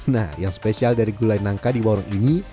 nah yang spesial dari gulai nangka di warung ini